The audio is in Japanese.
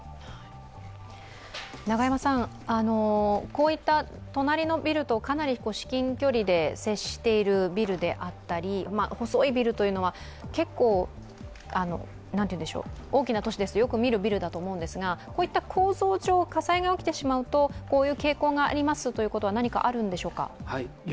こういった隣のビルとかなり至近距離で接しているビルであったり、細いビルというのは結構大きな都市ですとよく見ると思いますがこういった構造上火災が起きてしまうと、こういう傾向がありますというのは何かあるんでしょうか。